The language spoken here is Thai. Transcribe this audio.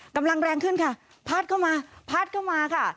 กำลังแรงขึ้นค่ะพัดเข้ามาพัดเข้ามาค่ะ